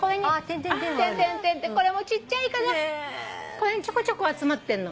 この辺にちょこちょこ集まってんの。